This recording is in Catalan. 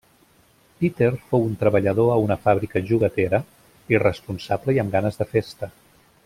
Peter fou un treballador a una fàbrica joguetera, irresponsable i amb ganes de festa.